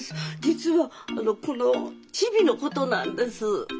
実はこのチビのことなんです。